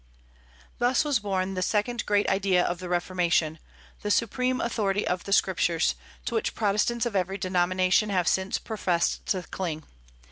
Thus was born the second great idea of the Reformation, the supreme authority of the Scriptures, to which Protestants of every denomination have since professed to cling.